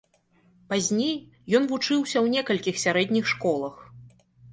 Пазней ён вучыўся ў некалькіх сярэдніх школах.